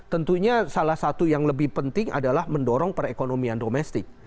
tentunya salah satu yang lebih penting adalah mendorong perekonomian domestik